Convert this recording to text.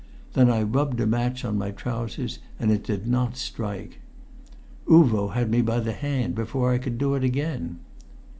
Then I rubbed a match on my trousers, but it did not strike. Uvo had me by the hand before I could do it again.